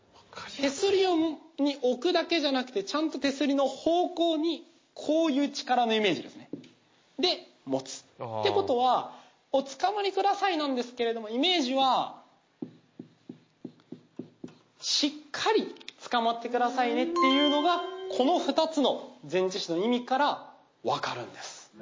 手すりに置くだけじゃなくてちゃんと手すりの方向にこういう力のイメージですねで持つってことはおつかまりくださいなんですけれどもイメージはしっかりつかまってくださいねっていうのがこの２つの前置詞の意味から分かるんです